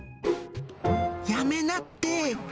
やめなって。